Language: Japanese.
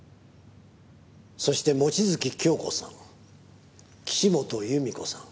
「そして望月京子さん岸本由美子さん」